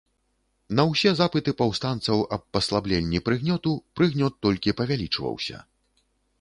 На ўсе запыты паўстанцаў аб паслабленні прыгнёту, прыгнёт толькі павялічваўся.